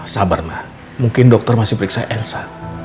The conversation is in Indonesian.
sabar mah mungkin dokter masih periksa elsa